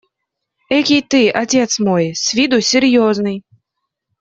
Экий ты, отец мой, с виду серьезный!